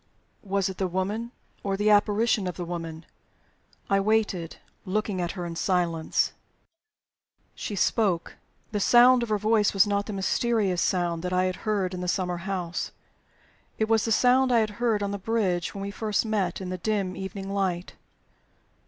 Was it the woman, or the apparition of the woman? I waited, looking at her in silence. She spoke. The sound of her voice was not the mysterious sound that I had heard in the summer house. It was the sound I had heard on the bridge when we first met in the dim evening light.